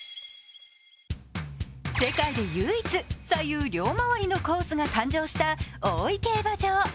世界で唯一、左右両回りのコースが誕生した大井競馬場。